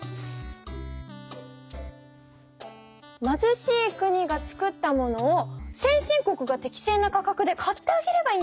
まずしい国がつくったものを先進国が適正な価格で買ってあげればいいんじゃない？